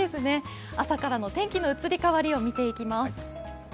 朝からの天気の移り変わりを見ていきます。